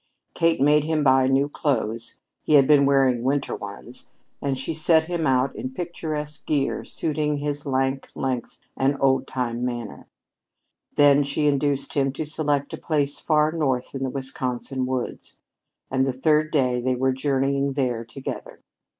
Kate made him buy new clothes, he had been wearing winter ones, and she set him out in picturesque gear suiting his lank length and old time manner. Then she induced him to select a place far north in the Wisconsin woods, and the third day they were journeying there together.